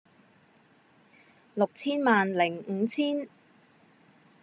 六千萬零五千